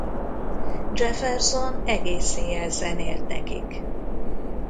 Jefferson egész éjjel zenélt nekik.